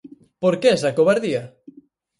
¿Por que esa covardía?